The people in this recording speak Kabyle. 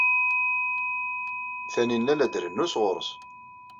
Taninna la d-trennu sɣur-s.